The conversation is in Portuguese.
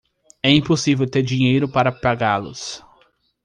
É impossível ter dinheiro para pagá-los